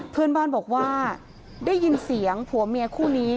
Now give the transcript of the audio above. เพื่อนบ้านบอกว่าได้ยินเสียงผัวเมียคู่นี้